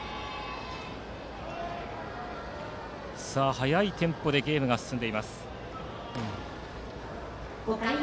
速いテンポでゲームが進んでいます。